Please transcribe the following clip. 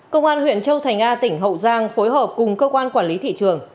công an huyện châu thành a tỉnh hậu giang phối hợp cùng cơ quan quản lý thị trường